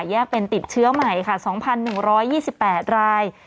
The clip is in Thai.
แยกเป็นติดเชื้อใหม่ค่ะ๒๑๒๘ราย